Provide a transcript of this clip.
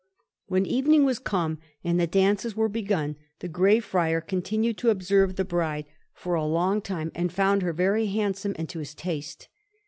When evening was come, and the dances were begun, the Grey Friar continued to observe the bride for a long time, and found her very handsome and to his taste.